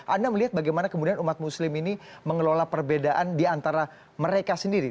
anda melihat bagaimana kemudian umat muslim ini mengelola perbedaan di antara mereka sendiri